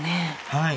はい。